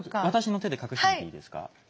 私の手で隠してみていいですか？